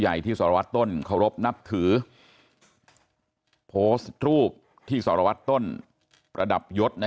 ใหญ่ที่สรวจต้นเคารพนับถือโพสต์รูปที่สรวจต้นประดับยศนะ